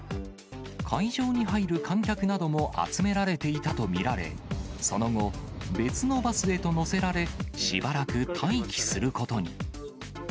会場に入る観客なども集められていたと見られ、その後、別のバスへと乗せられ、しばらく待機することに。